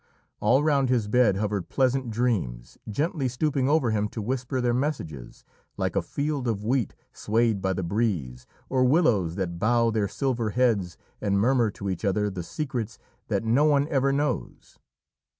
All round his bed hovered pleasant dreams, gently stooping over him to whisper their messages, like a field of wheat swayed by the breeze, or willows that bow their silver heads and murmur to each other the secrets that no one ever knows.